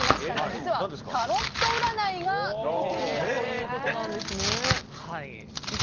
実はタロット占いが特技だということなんですね。